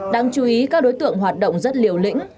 đáng chú ý các đối tượng hoạt động rất liều lĩnh